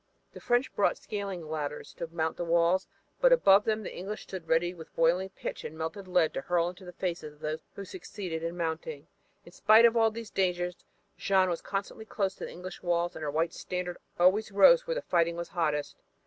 The French brought scaling ladders to mount the walls, but above them the English stood ready with boiling pitch and melted lead to hurl into the faces of those who succeeded in mounting. In spite of all these dangers Jeanne was constantly close to the English walls and her white standard always rose where the fighting was hottest.